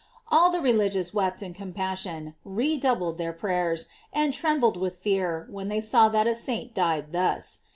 All the religious wept in compassion, redoubled their prayers, and trembled with fear when they saw that a saint died thus.